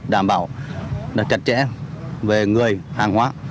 đảm bảo chặt chẽ về người hàng hóa